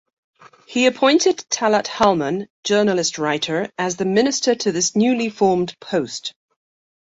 He appointed Talat Halman, journalist-writer, as the minister to this newly formed post.